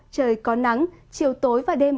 trời có nắng chiều tối và đêm